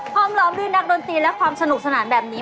พร้อมล้อมด้วยนักดนตรีและความสนุกสนานแบบนี้